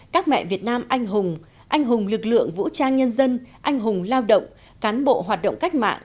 các mẹ việt nam anh hùng anh hùng lực lượng vũ trang nhân dân anh hùng lao động cán bộ hoạt động cách mạng